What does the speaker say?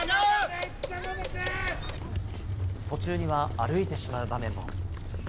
途中には歩いてしまう場面も。